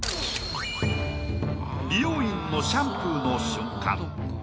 美容院のシャンプーの瞬間。